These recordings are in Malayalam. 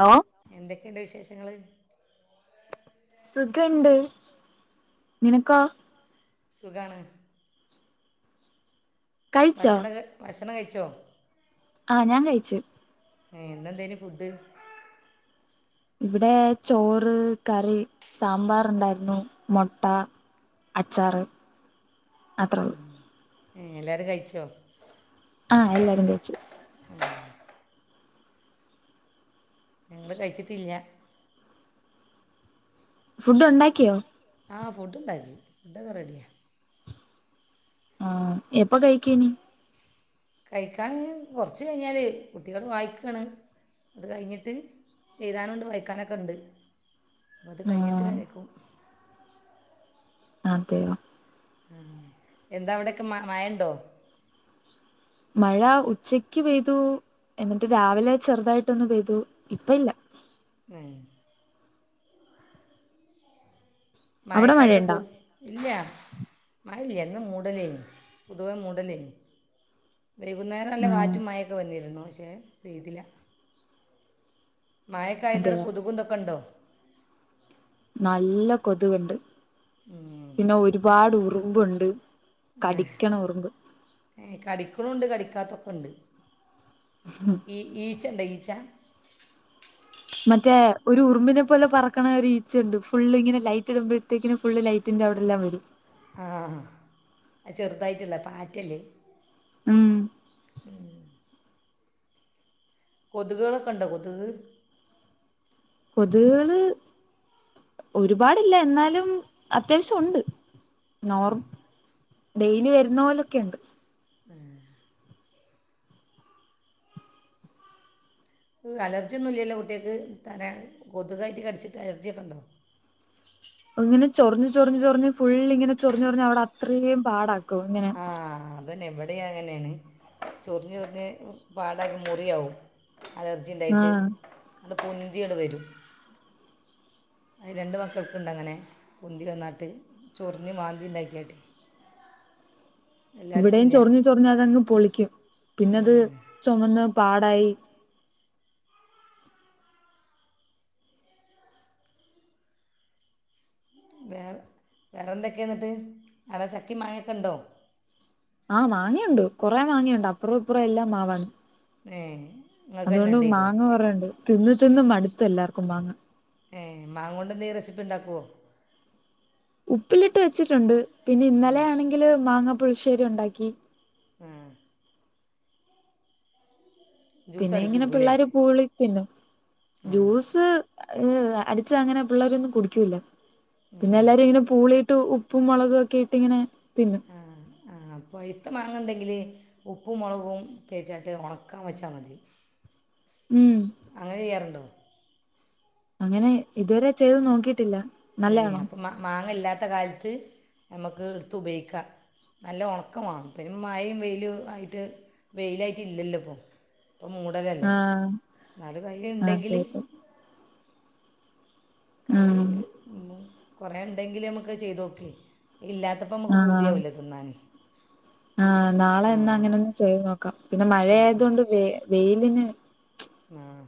ഹലോ എന്തൊക്കെയുണ്ട് വിശേഷങ്ങള് സുഖണ്ട് നിനക്കോ സുഖണ് കഴിച്ചോ ഭക്ഷണം ക ഭക്ഷണം കഴിച്ചോ ആഹ് ഞാൻ കഴിച്ചു ഏ ഇന്നെഎന്തെനു ഫുഡ് ഇവടെ ചോറ് കറി സാമ്പാറ് ഉണ്ടായിരുന്നു മുട്ട അച്ചാറ് അത്രേള്ളൂ ഉ എല്ലാരും കഴിച്ചോ ആഹ് എല്ലാരും കഴിച്ചു ഞങ്ങള് കഴിച്ചിട്ടില്ല ഫുഡ് ഉണ്ടാക്കിയോ ആ ഫുഡ് ഉണ്ടാക്കി ഫുഡൊക്കെ റെഡിയാ ആഹ് എപ്പ കഴിക്കുനി കഴിക്കാൻ ഇനി കൊറച്ച് കയിഞ്ഞാല് കുട്ടികള് വായിക്കാണ് അത് കയിഞ്ഞിട്ട് എഴുതാനുണ്ട് വായിക്കാനൊക്കെണ്ട് അപ്പത് കയിഞ്ഞിട്ട് ആഹ് ഇങ്ങനെ ഇരിക്കും അതെയോ ആഹ് എന്താ അവിടൊക്കെ മഴ മഴണ്ടോ മഴ ഉച്ചക്ക് പെയ്തു എന്നിട്ട് രാവിലെ ചെറുതായിട്ടൊന്നു പെയ്തു ഇപ്പം ഇല്ല ഏഹ് അവിടെ മയൊക്കെയായിട്ട് മഴയുണ്ടോ കൊ ഇല്ല മഴയില്ല ഇന്ന് മൂടലേനു പൊതുവേ മൂടലേനിം വൈകുന്നേരം നല്ല ആഹ് കാറ്റും മഴൊക്കെ വന്നിരുന്നു പക്ഷെ പെയ്തില്ല മഴൊക്കായിട്ടാടെ അതെയോ കൊതുകും ഇതൊക്കെ ഉണ്ടോ നല്ല കൊതുകുണ്ട് ഉം. പിന്നെ ഒരുപാട് ഉറുമ്പുണ്ട് കടിക്കണ ഉറുമ്പ് ഏഹ് കടിക്കണുണ്ട് കടിക്കാത്തൊക്കെണ്ട് ഉം ഈ ഈച്ചണ്ടോ ഈച്ച മറ്റേ ഒരു ഉറുമ്പിനെ പോലെ പറക്കണ ഒരു ഈച്ച ഇണ്ട് ഫുളള് ഇങ്ങനെ ലൈറ്റ് ഇടുമ്പഴത്തേക്കും ഫുളള് ലൈറ്റ് റ്റിന്റെ അവിടെല്ലാം വരും ആഹ് ആ ചെറുതായിട്ടുള്ള പാറ്റയല്ലേ മ്മ് കൊതുകുകളൊക്കെ ഇണ്ടോ കൊതുക് കൊതുകാള് ഒരുപാടില്ല എന്നാലും അത്യാവശ്യം ഉണ്ട് നോർ ഡെയിലി വരുന്ന പോലൊക്കെണ്ട് ഏഹ് [unintelligible] അലർജിയൊന്നും ഇല്ലല്ലോ കുട്ടികൾക്ക് തല കൊതുകായിട്ട് കടിച്ചിട്ട് അലർജിയൊക്കെ ഉണ്ടോ ഇങ്ങനെ ചൊറിഞ്ഞ് ചൊറിഞ്ഞ് ചൊറിഞ്ഞു ഫുൾ ഇങ്ങനെ ചൊറിഞ്ഞ് ചൊറിഞ്ഞ് അവിടെ അത്രയും പാടാക്കും ഇങ്ങനെ ആ അതന്നെ ഇവിടെയും അങ്ങനാണ് ചൊറിഞ്ഞു ചൊറിഞ്ഞ് പാടാക്കി മുറിയാകും അല ർജി ഇണ്ടായിട്ട് ആഹ് അങ്ങട് പൊന്തിയങ്ങട് വരും അതി രണ്ട് മക്കൾക്ക് ഉണ്ട് അങ്ങനെ പൊന്തി വന്നാട്ട് ചൊറിഞ്ഞ് മാന്തി ഉണ്ടാക്കിയങ്ങട്ട് ഇവിടെയും ചൊറിഞ്ഞ് ഇല്ല ചൊറിഞ്ഞ് അതങ്ങ് പൊളിക്കും പിന്നെ അത് ചുമന്ന് പാടായി വേറെ വേറെ എന്തൊക്കെയാ എന്നിട്ട് ആടെ ചക്കയും മാങ്ങയൊക്കെ ഉണ്ടോ ആഹ് മാങ്ങയുണ്ട് കുറെ മാങ്ങയുണ്ട് അപ്പുറേം ഇപ്പുറേം എല്ലാം മാവാണ് ഏഹ് അതോണ്ട് മാങ്ങ കുറേയുണ്ട് തിന്ന് തിന്ന് മടുത്തു എല്ലാർക്കും മാങ്ങ ഏഹ് മാങ്ങോണ്ട് എന്തെലും റെസിപ്പി ഉണ്ടാക്കോ ഉപ്പിലിട്ട് വെച്ചിട്ടുണ്ട് പിന്നെ ഇന്നലെയാണെങ്കില് മാങ്ങാ പുളിശ്ശേരി ഉണ്ടാക്കി ഏഹ് ജ്യൂസ് പിന്നെ ഇങ്ങനെ അടിപ്പിക്കൂലേ പിള്ളേർ പൂളി പിന്നെ ആ ജ്യൂസ് അടിച്ചാൽ അങ്ങനെ പിള്ളേരൊന്നും കുടിക്കൂല്ല ഏ പിന്നെ എല്ലാരും ഇങ്ങനെ പൂളിയിട്ട് ഉപ്പും മുളകും ഒക്കെ ഇട്ട് ഇങ്ങനെ തിന്നും ആഹ് ആഹ് ആഹ് പയുത്ത മാങ്ങണ്ടെങ്കില് ഉപ്പും മൊളകും തേച്ചാട്ട് ഒണക്കാൻ വെച്ചാ മതി [inaudible] ഉം അങ്ങനെ ചെയ്യാറുണ്ടോ? അങ്ങനെ ഇതുവരെ ചെയ്ത് നോക്കിയിട്ടില്ല ഏഹ് അപ്പൊ മാ മാങ്ങ ഇല്ലാത്ത കാലത്ത് ഞമ്മക്ക് ഇട്ത്ത് ഉപയോഗിക്കാം നല്ല ഒണക്കം മാണം ഇപ്പെ പിന്നെ മഴയും വെയിലും ആയിട്ട് വെയിലായിട്ട് ഇല്ലല്ലോ ഇപ്പോ? ഇപ്പം മൂടലല്ലേ ആഹ് ഇന്നാലും കയ്യില് അതെ ഇണ്ടെങ്കില് അതെ കൈ ഉം കൊറേ ഇണ്ടെങ്കില് നമുക്ക് അത് ചെയ്തോക്കെ ഇല്ലാത്തപ്പൊ അമ്മക്ക് ആഹ് പൂതിയാവൊല്ലോ തിന്നാന് ആഹ് നാളെ എന്നാ അങ്ങനെ ഒന്ന് ചെയ്ത് നോക്കാം പിന്നെ മഴ ആ ആയത് കൊണ്ട് വ വെയിലിന് ങ്ങാഹ്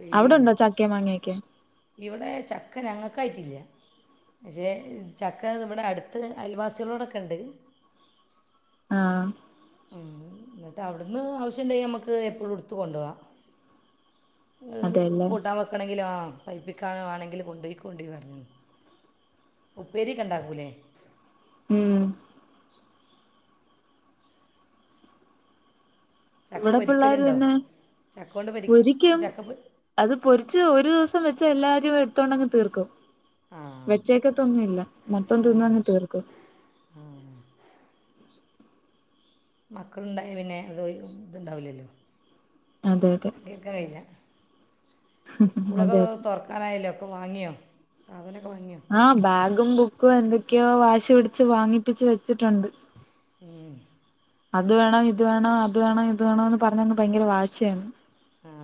വെയില് ഇല്ല അവിടുണ്ടോ ചക്കയും മാങ്ങയൊക്കെ ഇവിടെ ചക്ക ഞ്ഞങ്ങക്കായിട്ട് ഇല്യ പക്ഷേ ചക്ക ദാ ഇബടെ അടുത്ത് അയൽവാസികളോട് ഒക്കെ ഇണ്ട് ആഹ് ഉം ഇന്നെട്ട് അവിടുന്ന് ആവിശ്യം ഇണ്ടെങ്കി ഞമ്മക്ക് എപ്പോളും ഇടുത്ത് കൊണ്ടോകം ഇങ്ങക്ക് അതെല്ലേ കൂട്ടാൻ വെക്കണങ്കിലും ആ പൈപ്പിക്കുവാന് വാണെങ്കില് കൊണ്ടോയിക്കോണ്ടി പറഞ്ണ് ഉപ്പേരി ഒക്കേ ഇണ്ടാക്കൂല്ലേ? ഉം ചക്ക ഇവിടെ പിള്ളര് പൊരിക്കലുണ്ടോ പിന്നെ ചക്ക കൊണ്ട് പൊരി പൊരിക്കും ചക്ക പൊ അത് പൊരിച്ച് ഒരു ദിവസം വെച്ചാ എല്ലാരും എടുത്തോണ്ട് അങ്ങ് തീർക്കും ആ വെച്ചേക്കത്ത് ഒന്നുവില്ല മൊത്തം തിന്നങ്ങ് തീർക്കും ആഹ് മക്കള്ണ്ടായ പിന്നെ അത് ഇത്ണ്ടാവൂലല്ലോ അതെ അതെ തങ്കേര് ക്കാൻ കയ്യൂല അതെ സ്കൂളൊക്കെ അതെ തൊറ തൊറ ക്കാനായല്ലോ ഒക്കെ വാങ്ങിയോ സാധനൊക്കെ വാങ്ങിയോ? ആഹ് ബാഗും ബുക്കും എന്തൊക്കെയോ വാശി പിടിച്ച് വാങ്ങിപ്പിച്ച് വെച്ചിട്ടുണ്ട് ഉം അത് വേണം ഇത് വേണം അത് വേണം ഇത് വേണോ എന്ന് പറഞ്ഞങ്ങ് ഭയങ്കര വാശിയാണ് ആ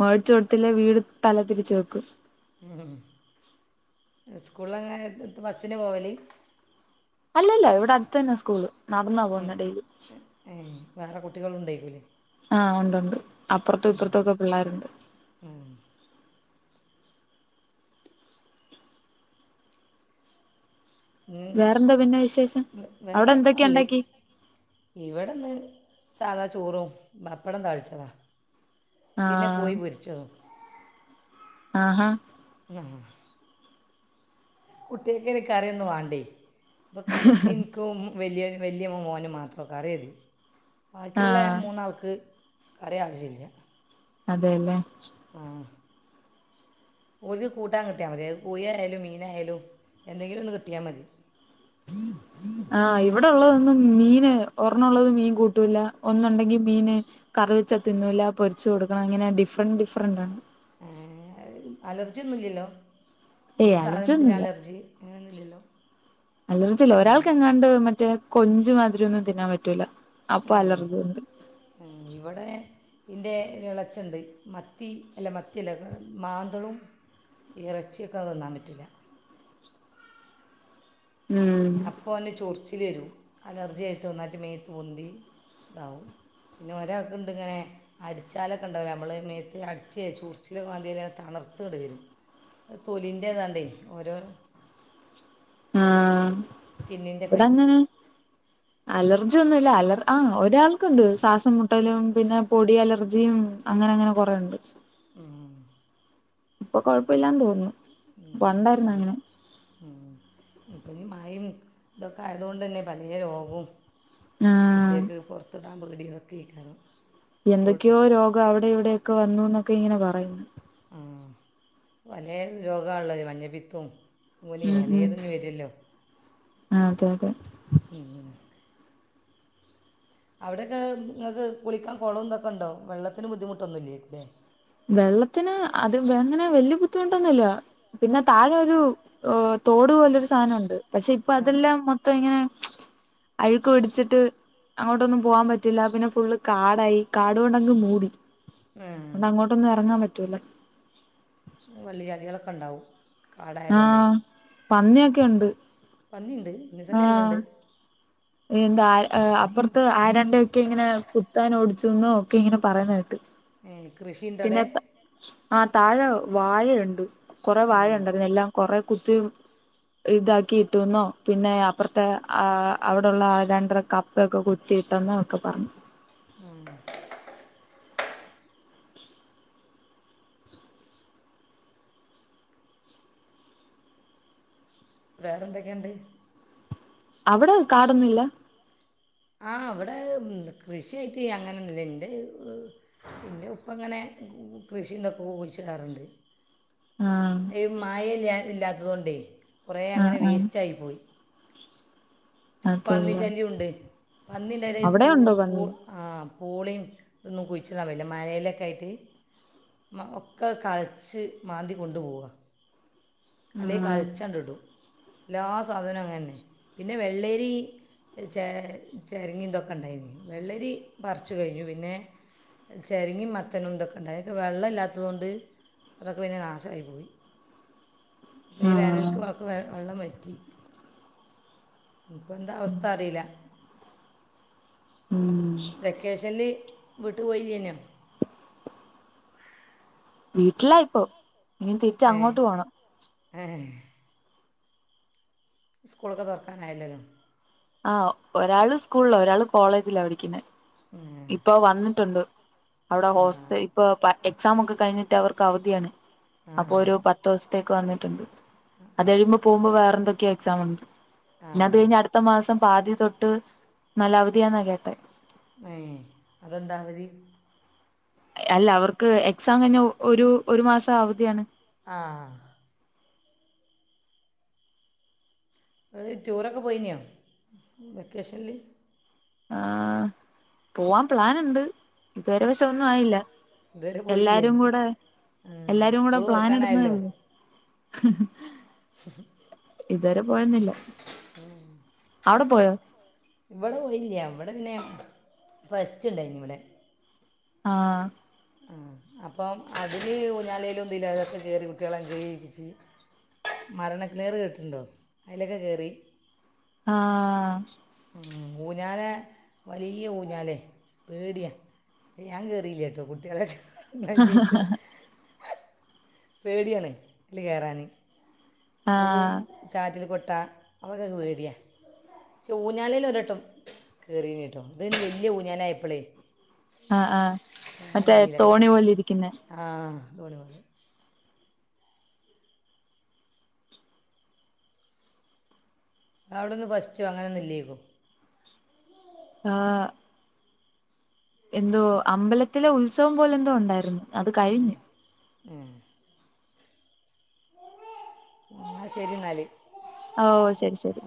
മേടിച്ചു കൊടുത്തില്ലേ വീട് തല തിരിച്ച് വെക്കും ഉം സ്കൂളിലെങ്ങനെ ബസ്സിന പോവല്? അല്ലല്ല ഇവിടെ അടുത്ത് തന്നെ സ്കൂള് നടന്നാ പോവുന്നെ ഡെയിലി ഉം ഏഹേ വേറെ കുട്ടികളും ഇണ്ടേക്കൂലേ? ആഹ് ഒണ്ട് ഒണ്ട് അപ്പൊറത്തും ഇപ്പൊറത്തും ഒക്കെ പിള്ളേരുണ്ട് ഉം ഉ വേറെന്താ പിന്നെ വിശേഷം അവിടെ വേറെ ഒക്കെ എന്തൊക്കെയ നല്ലേ ഉണ്ടാക്കി ഇവിടെന്ന് സാധാ ചോറും പപ്പടം താളിച്ചെതാ ആ പിന്നെ കോഴി പൊരിച്ചതും ആഹ് ഹാ ങ്ങാഹ് കുട്ടിയക്കയ്ന് കറിയൊന്നും വാണ്ടേ അപ്പൊ കറിക്ക് ഇൻക്കും വെല്യ വെല്യ മോനും മാത്രം കറി മതി ബാക്കിയുള്ള ആ മൂന്നാൾക്ക് കറി ആവിശ്യല്ല അതേല്ലേ? ഉം. ഓൽക്ക് കൂട്ടാൻ കിട്ട്യാമതി. അത് കോഴായാലും മീനായാലും എന്തെങ്കിലും ഒന്ന് കിട്ടിയാ മതി. ആ ആഹ് ഇവിടെ ഒള്ളത് ഒന്നും മീന് ഒറൊണ ഒള്ളത് മീൻ കൂട്ടൂല്ല. ഒന്ന് ഉണ്ടെങ്കി മീന് കറിവെച്ചാ തിന്നൂല്ല. പൊരിച്ചു കൊടുക്കണം. അങ്ങനെ ഡിഫ്രന്റ് ഡിഫ്രന്റ് ആണ്. ഏഹ് അലർജി ഒന്നും ഇല്ലല്ലോ. ഏയ് ഇന്നെ അലർജി സാധനത്തിന് ഒന്നുല്ല അലർജി. അങ്ങനെ ഒന്നും ഇല്ലല്ലോ. അലർജി ഇല്ല. ഏ ഒരാൾക്ക് എങ്ങാണ്ട് മറ്റെ കൊഞ്ച് മാതിരി ഒന്നും തിന്നാൻ പറ്റൂല. അപ്പൊ ഏഹ്. അലർജി ഉണ്ട് ഏഹ്. ഇവിടെ ഇൻ്റെ ഇളച്ചണ്ട്. മത്തി അല്ല മത്ത്യല്ല. മാന്തളും. എറച്ചി ഒക്കെ തന്നാൻ പറ്റൂല്ല. ഉം അപ്പ ഓന്റെ ചൊറച്ചില് വെരും. അലർജി ആയിട്ട് നന്നായിട്ട് മേത്ത് പൊന്തി ഇതാവും. പിന്നെ ഒരാക്ക് ഇണ്ട് ഇങ്ങനെ. അടിച്ചാല് ഒക്കെ ഇണ്ടാവുലെ നമ്മളെ മേത്ത്, അടിച്ചെ ചൊറിച്ചില് മാന്തിനാത്ത് തണർത്ത് ഇങ്ങണ്ട് വെരും. അത് തൊലിൻ്റെേതാണ്ടേ ഓരോ ആഹ് സ്കിന്നിൻ്റെ ഇവിടെങ്ങനെ അലർ ർജൊന്നുല്ല. അ ഒരാൾക്കുണ്ട് സാസം മു മുട്ടലും പിന്നെ പൊടി അലർജിയും അങ്ങനെ അങ്ങനെ കൊറേണ്ട്. ഉം ഇപ്പൊ കൊഴപ്പ ഇല്ലാന്ന് തോന്ന് ഉം ഉം. ഇപ്പ ഇഞ്ഞ് മയിം ഇതൊക്കെ ആയതോണ്ടെന്നെ പലേ രോഗും ആഹ് കുട്ട്യേക്ക് പൊറ്ത്ത്ടാം പേടി ഇതൊക്കേക്കാരം. എന്തൊക്കെയോ രോഗം അവിടെ ഇവിടെയൊക്കെ വന്നു ഇന്നൊക്കെ ഇങ്ങനെ പറയുന്നു. ആ പലേ രോഗാ ഇള്ളത് മഞ്ഞ പിത്തും കുനി. പലേതും ഇങ്ങെ വെരൊല്ലോ. ആ അതെ അതെ. ഉം അവിടെ ഒക്കെ ഇങ്ങൾക്ക് കുളിക്കാൻ കൊളവും ഇതൊക്കെ ഇണ്ടോ. വെള്ളത്തിന് ബുദ്ധിമുട്ടൊന്നും ഇല്ലേക്കുലേ. വെള്ളത്തിന് അത് ഇങ്ങനെ വല്യ ബുദ്ധിമുട്ടൊന്നുല്ല. പിന്നെ താഴെ ഒരു. തോട് പോലെ ഒരു സാധന ഉണ്ട്. പക്ഷെ ഇപ്പൊ ആ അതെല്ലാം മൊത്തം ഇങ്ങനെ അഴുക്ക് പിടിച്ചിട്ട് അങ്ങോട്ടൊന്നും പോവാാൻ പറ്റില്ല. പിന്നെ ഫുള്ള് കാടായി. കാടുകൊണ്ടങ്ങ് മൂടി. ആ അത് അങ്ങോട്ടൊന്നും എറങ്ങാൻ പറ്റൂല്ല. വള്ളിജാതികളൊക്കെ ഉണ്ടാവും. കാടായതുകൊണ്ടേ ആഹ് പന്ന്യാെക്കെ ഇണ്ട്. പന്നിണ്ട്. ആഹ് ആ എന്താ അപ്പുറത്ത് ആരാന്റെ ഒക്കെ ഇങ്ങനെ കുത്താൻ ഓടിച്ചുന്നോ ഒക്കെ ഇങ്ങനെ പറയുന്ന കേട്ട്. ഏഹ് കൃഷി പിന്നെ ആഹ് താഴെ വാഴയുണ്ട്. കൊറെ വാഴ ആ ഉണ്ടായിരുന്നു എല്ലാം. കൊറേ കുത്തിം ഇതാക്കി ഇട്ട്ന്നോ പിന്നെ അപ്പറ ആഹ് അവിടെള്ള രണ്ടര കപ്പൊക്കെ കുത്തിയിട്ടന്നൊക്കെ പറഞ്ഞു. ആഹ്. വേറെന്തൊക്കെയ്ണ്ട്? അവിടെ കാടൊന്നില്ലാ ആഹ് ഇവിടെ ഉം കൃഷിയായിറ്റ് അങ്ങനൊന്നും ഇല്ലാ ഇൻ്റെ ഈഹ് പിന്നെ ഉപ്പ ഇങ്ങനെ കു ക് കൃഷിയിതൊക്കെ കുയിച്ചിടാറ്ണ്ട് ആഹ് പ്പം മയെല്ലാ ഇല്ലാത്തത് കൊണ്ടേ കൊറെ ആഹ് അങ്ങനെ ആഹ് വേസ്റ്റായിപ്പോയി പന്നി അതെല്ലേ ശല്യോണ്ട് പന്നിണ്ടായെരെ അവിടെ പൂ ഉണ്ടോ പൂ പന്നി ആഹ് പൂളേം ഇതൊന്നും കുയിച്ചിടാൻ കയ്യൂലാ മയെലൊക്കെ ആയിറ്റ് മ ഒക്കെ കെൾച്ച് മാന്തി കൊണ്ടു പോവാ അല്ലെ ആഹ് കെൾച്ചാണ്ടിടും എല്ലാ സാധനോം അങ്ങനെന്നെ പിന്നെ വെള്ളരി ചെ ചെരങ്ങേ ഇതൊക്കെ ഇണ്ടായിനി വെള്ളരി പറിച്ചു കഴിഞ്ഞു പിന്നെ ചെരിങ്ങും മത്തനും ഇതൊക്കെ ഇണ്ട് അതൊക്കെ വെള്ളം ഇല്ലാത്തത് കൊണ്ട് അതൊക്കെ പിന്നെ നാശായി പോയി ഇപ്പം ഈ ആഹ് വോനൽക്ക് [unintelligible] വെള്ളം വറ്റി ഇപ്പ എന്താ അവസ്ഥാ അറിയില്ലാ ഉം വെക്കേഷൻല് വീട്ട് പോയില്ലെനിയോ? വീട്ടിലായിപ്പം ഇനി തിരിച്ച് അങ്ങോട്ട് പോണം ആഹ സ്കൂളൊക്കെ തൊറക്കാനായല്ലല്ലോ ആഹ് ഒരാള് സ്കൂളില് ഒരാള് കോളേജിലാ പഠിക്ക്ന്നെ ‌ ആ ഇപ്പ അത് വന്നിട്ടൊണ്ട് അവ്ടെ ആ ഹോസ്റ്റ ഇപ്പ പ എക്സാമൊക്കെ കഴിഞ്ഞിട്ട് അവർക്ക് അവധിയാണ് ആ അപ്പൊര് പത്ത് ദിവസത്തേക്ക് വന്നിട്ടൊണ്ട്. അത് കഴിയ്മ്പോ പോമ്പം വേറെന്തൊയോ എക്സാമൊണ്ട്. ആ പിന്നെ അത് കഴിഞ്ഞ് അട്ത്ത മാസം പാതി തൊട്ട് നല്ല അവധിയാന്നാ കേട്ടെ ഏഹ് അതെന്താ അവധി? അല്ലാ അവർക്ക് എക്സാം കഴിഞ്ഞാ ഒരു ഒരു മാസം അവധിയാണ്. ആഹ് [unintelligible] ടൂറൊക്കെ പോയിനിയോ വെക്കേഷനില്? ആഹ് പൂവാൻ പ്ലാന്ണ്ട് ഇതുവരെ പക്ഷെ ഒന്നും ആയില്ലാ. ഇത് വരെ പോയില്ലേനി ആഹ് എല്ലാരും കൂടെ സ്കൂള് പ്ലാൻ ഇടുന്നതേ തൊറക്കാനായല്ലോ? ഉള്ളൂ ഇത് വരെ പോയൊന്നുല്ലാ. ഉം അവടെ പോയോ? ഇവടെ പോയില്ലാ ഇവടെ പിന്നെ ഫെസ്റ്റ് ഇണ്ടായിന്നു ഇവ്ടെ ആഹ് ആഹ് അപ്പം അതില് ഊഞ്ഞാലേലും ഇതിലും [unintelligible] കേറി കുട്ട്യാളങ്ങ് കേറി ഇരുന്നിറ്റ് മരണക്കെണറ് കേട്ടിട്ട്ണ്ടോ? അയിലൊക്കെ കേറി ആഹ് ഉം ഊഞ്ഞാലാ വലിയ ഊഞ്ഞാലേ പേടിയാ ത് ഞാൻ കേറിയില്ലാട്ടോ കുട്ട്യാളെ [unintelligible] പേടിയാണ് അയില് കേറാന് ആ ഓ ചാറ്റില് കൊട്ടാ അതൊക്കെ ഇക്ക്‌ പേടിയാ പക്ഷേ ഊഞ്ഞാലേല് ഒര് വട്ടം കേറീനിട്ടോ ഇത് വെല്ല്യ ഊഞ്ഞാല ആയപ്പളേ ആഹ് ആഹ് ആഹ് നീലന്നെ കൊട്ത്തെ ആഹ് [unintelligible] അവ്ടെന്ന് ഫസ്റ്റ് അങ്ങനൊന്നും ഇല്ലേക്കും ആഹ് എന്തോ അമ്പലത്തിലെ ഉത്സവം പോലെ എന്തോ ഒണ്ടാര്ന്നു ഉം ഉം ആഹ് ശെരി എന്നാല് ഓ ശെരി ശെരി